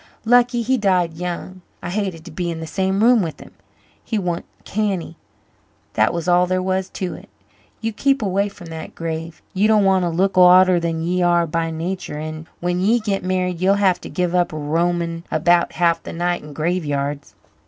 Lucky he died young. I hated to be in the same room with him he wa'n't canny, that was all there was to it. You keep away from that grave you don't want to look odder than ye are by nature. And when ye git married, ye'll have to give up roamin' about half the night in graveyards.